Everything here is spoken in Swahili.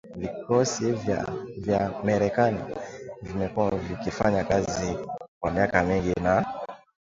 Vikosi vya Marekani vimekuwa vikifanya kazi kwa miaka mingi na